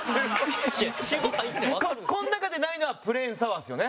この中でないのはプレーンサワーですよね？